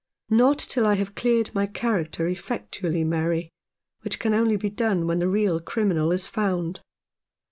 " Not till I have cleared my character effectually, Mary ; which can only be done when the real criminal is found."